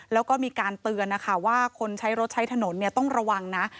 แล้วก็มีการเตือนนะคะว่าคนใช้รถใช้ถนนต้องระวังนะ